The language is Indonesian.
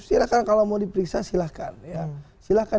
silahkan kalau mau diperiksa silahkan